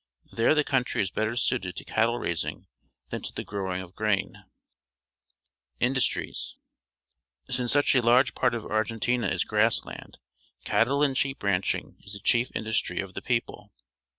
There the country is better suited to cattle raising than to the growing of grain. Industries. — Since such a large part of Argentina is grass land, cattle and .sheep, ranching js^thgj'h'pf indiistr\^ of the people.